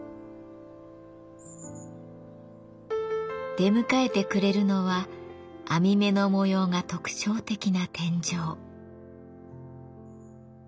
出迎えてくれるのは網目の模様が特徴的な天井。